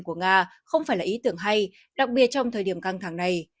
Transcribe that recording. của nga không phải là ý tưởng hay đặc biệt trong thời điểm căng thẳng này